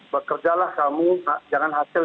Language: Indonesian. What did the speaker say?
bekerjalah kamu jangan hasil